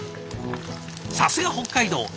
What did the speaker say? さすが北海道！